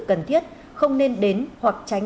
cần thiết không nên đến hoặc tránh